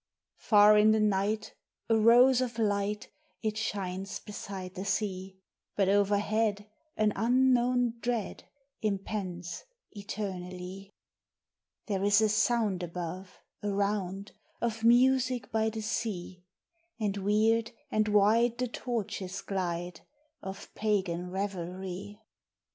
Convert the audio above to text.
Far in the night, a rose of light It shines beside the sea; But overhead an unknown dread Impends eternally. There is a sound above, around Of music by the sea; And weird and wide the torches glide Of pagan revelry.